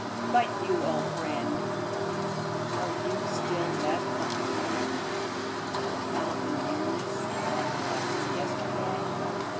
But you old friend, are you still left behind To tell the nearness of life's yesterday